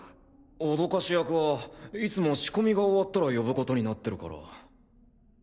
おどかし役はいつも仕込みが終わったら呼ぶことになってるから。